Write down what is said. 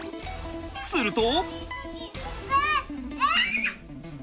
すると。